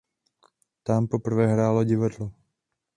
Tam poprvé hrál divadlo.